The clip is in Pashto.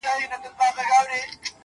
د مسجدي او د اکبر مېنه ده!!